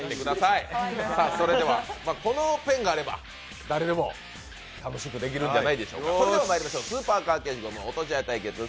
このペンがあれば誰でも楽しくできるんじゃないでしょうか。